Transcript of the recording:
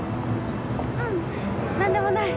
ううん何でもない。